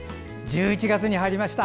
１１月に入りました。